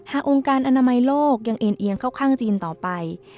องค์การอนามัยโลกยังเอ็นเอียงเข้าข้างจีนต่อไป